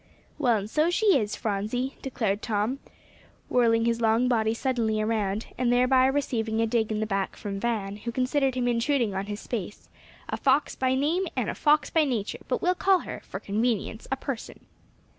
"Well, and so she is, Phronsie," declared Tom, whirling his long body suddenly around, thereby receiving a dig in the back from Van, who considered him intruding on his space, "a fox by name, and a fox by nature; but we'll call her, for convenience, a person."